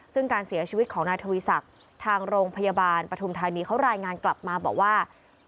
ซึ่งการเสียชีวิตของนายทวีศักดิ์ทางโรงพยาบาลปฐุมธานีเขารายงานกลับมาบอกว่า